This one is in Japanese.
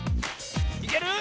いける？